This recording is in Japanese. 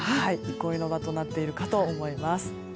憩いの場となっていると思います。